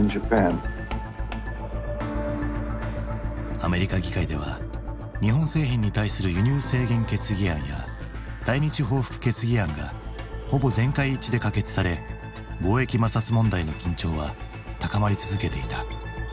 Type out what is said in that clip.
アメリカ議会では日本製品に対する輸入制限決議案や対日報復決議案がほぼ全会一致で可決され貿易摩擦問題の緊張は高まり続けていた。